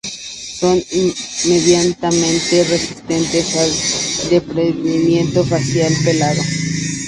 Son medianamente resistentes al desprendimiento, fácil pelado.